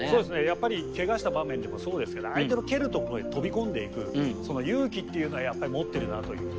やっぱりケガした場面でもそうですけど相手の蹴るとこへ飛び込んでいくその勇気っていうのはやっぱり持ってるなという。